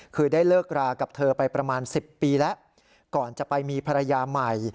คือได้เลิกรากับเธอไปประมาณ๑๐ปีแล้วก่อนจะไปมีภรรยาใหม่